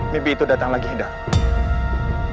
mimpi itu datang lagi hidang